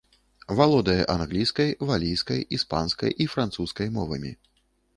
Валодае англійскай, валійскай, іспанскай і французскай мовамі.